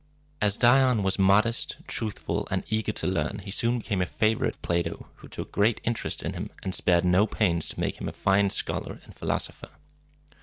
As Dion was modest, truthful, and eager to learn, he soon became a favorite of Plato, who took great interest in him, and spared no pains to make him a fine scholar and philosopher.